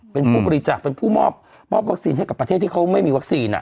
เป็นผู้บริจาคเป็นผู้มอบวัคซีนให้กับประเทศที่เขาไม่มีวัคซีน